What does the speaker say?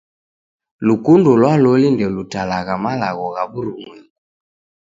Lukundo lwa loli ndelutalagha malagho ghwa w'urumwengu.